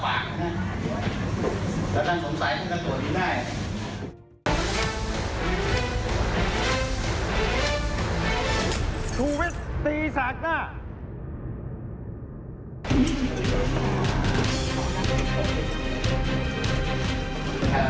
ผมก็จะไม่อยู่ในนั้นทั้งหมดผมก็ไม่มีปัญหากับท่านใดนะครับ